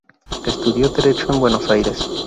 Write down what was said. Estudió derecho en Buenos Aires.